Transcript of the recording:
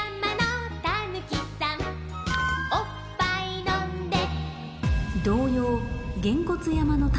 おっぱいのんで